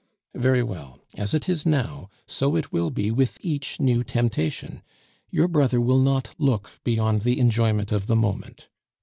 Very well, as it is now, so it will be with each new temptation your brother will not look beyond the enjoyment of the moment.